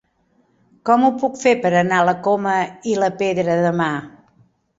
Com ho puc fer per anar a la Coma i la Pedra demà?